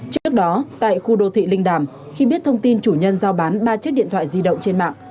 trước đó tại khu đô thị linh đàm khi biết thông tin chủ nhân giao bán ba chiếc điện thoại di động trên mạng